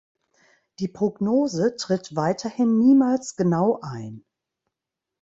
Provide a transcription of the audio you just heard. Die Prognose tritt weiterhin niemals genau ein.